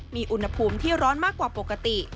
มีอุณหภูมิที่ร้อนมากกว่าปกติ